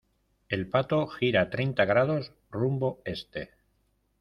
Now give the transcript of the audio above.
el pato gira treinta grados rumbo este.